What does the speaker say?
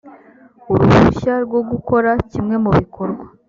uruhushya rwo gukora kimwe mu bikorwa